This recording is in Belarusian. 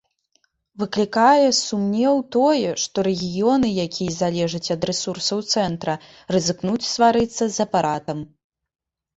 Выклікае сумнеў тое, што рэгіёны, якія залежаць ад рэсурсаў цэнтра, рызыкнуць сварыцца з апаратам.